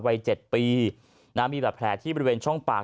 วัย๗ปีนะมีแบบแผลที่บริเวณช่องปาก